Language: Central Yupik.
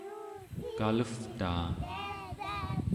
kalevtaa